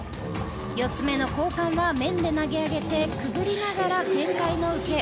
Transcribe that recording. ４つ目の交換は面で投げ上げてくぐり抜けながら、転回の受け。